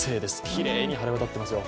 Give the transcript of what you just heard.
きれいに晴れ渡っていますよ。